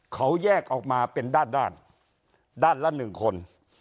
เขาแยกออกมาเป็นด้านด้านละ๑คน